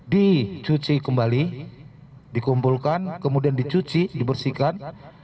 dicuci kembali dikumpulkan kemudian dicuci dibersihkan